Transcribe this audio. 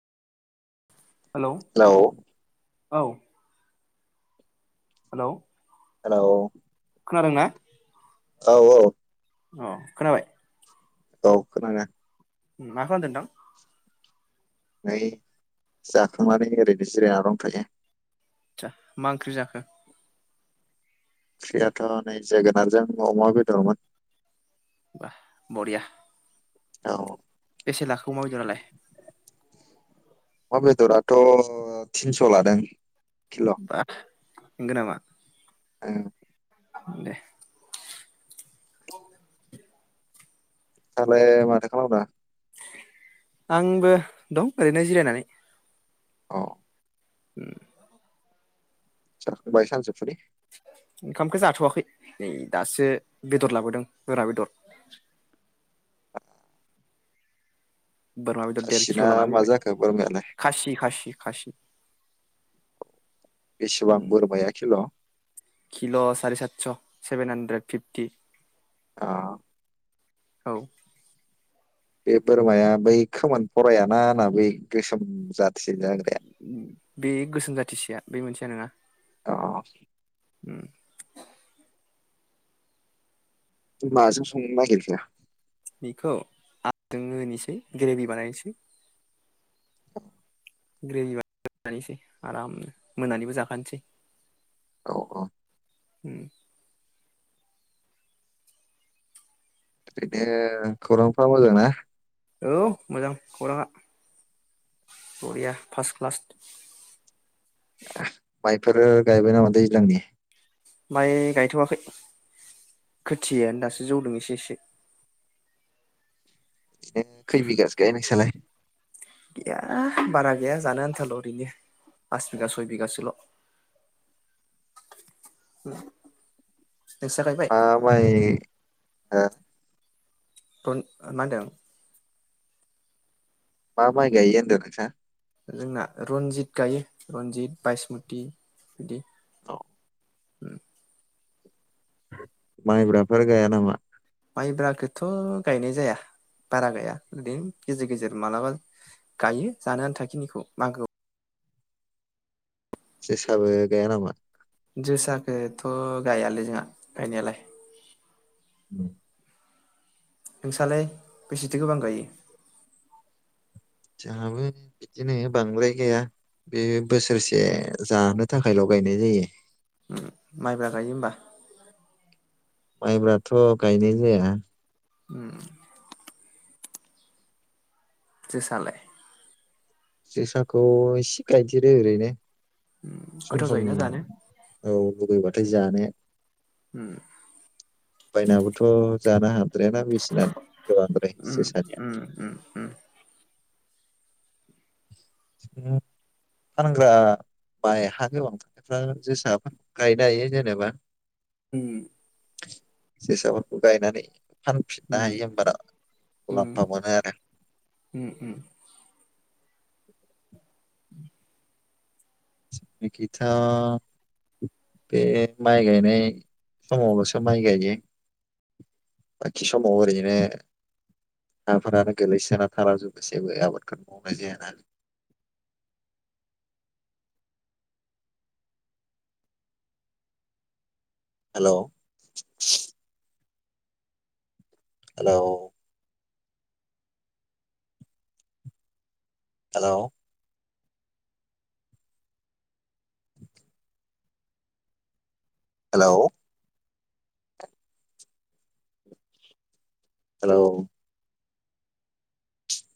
Hello औ hello hello खोनादों ना औ औ अ' खोनाबाय औ खोनादो मा खालामदों नोंथां नै जाखांनानै ओरैनो जिरायनानै दंथ'यो आसा मा ओंख्रि जाखो ओंख्रियाथ' नै जोगोनारजों अमा बेदरमोन बा बरिया औ लाखो अमा बेदरालाय अमा बेदराथ' थिनस' लादों किल' बा नोंगोनामा उम दे [inaudible] दालाय माथो खालामदो आंबो दं ओरैनो जिरायनानै अ उम जाखांबाय सानजुफुनि ओंखामखौ जाथ'वाखै नै दासो बेदर लाबोदों बोरा बेदर। बोरमा बेदर देर खासिना किल' लाना मा फैबाय जाखो बोरमायालाय खासि खासि खासि बेसेबां उम बोरमाया खिल'? किल' साराय सातस' सेभेन हानड्रेड फिफटि। अ' औ बे बोरमाया बै खोमोन भरायाना ना बै गोसोम जाद बे गोसोम जाथिसेया बे मोनसेया नङा। अ उम माजों संनो नागिरखो? बेखौ [unintelligible] होनिसै ग्रेभि बानायनोसै। ग्रेभि बानायनोसै आरामनो मोनानिबो जाखानोसै। औ औ उम ओरैनो खौरांफ्रा मोजां ना? औ मोजां खौराङा बरिया फास्ट क्लास। [inaudible] माइफोरो गायबाय नामा दैज्लांनि? माय गायथ'वाखै खोथियायानो दासो जौदों एसे एसे। ए खै बिगासो गायो नोंसालाय? गैया बारा गैया जानो आन्थाल' ओरैनो पास बिगा सय बिगासोल'। नोंस्रा गायबाय मा माय ओ रन मा होनदों? मा माइ गायो होनदों नोंसा? रन्जित बायसमुति बिदि। औ उम मायब्राफोर गाया नामा? माइब्रााखोथ' गायनाय जाया बारा गाया ओरैनो गेजेर गेजेर मालाबा गायो जानो आन्थाखिनिखौ मागोआव जोसाबो गाया नामा? जोसाखोथ' गायालै जोंहा गायनायालाय। उम नोंसालाय बेसेथो गोबां गायो? जाहाबो बिदिनो बांद्राय गाया बे बोसोरसे जानो थाखायल' गायनाय जायो। माइब्रा गायो होमबा? माइब्राथ' गायनाय जाया। उम जोसालाय? जोसाखौ इसे गायदेरो ओरैनो सम गोथाव सम जायोना जानो औ [unintelligible] जानो उम बायनाबोथ' जानो हा द्रायाना बेसेना गोबांद्राय उम जोसानिया। उम उम [unintelligible] फानग्रा बाय हा गोबांफ्रा जोसा गायनो हायो जेनेबा उम जोसाफोरखौ गायनानै फानफिननो उम हायो होनोमबाना उम मुलाम्फा मोनो आरो। उम उम [inaudible] जेंनिखिथ'बे माइ गायनाय समावल'सो माइ गायो। बाखि समाव ओरैनो हाफोरानो गोलैसोना थालाजोबो जेबो आबादखौनो मावनाय जायाना। नालाय hello hello hello hello hello